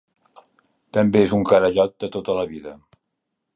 També és un carallot de tota la vida.